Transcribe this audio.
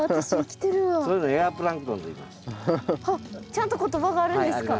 ちゃんと言葉があるんですか？